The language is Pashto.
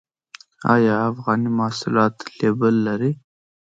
آیا افغاني محصولات لیبل لري؟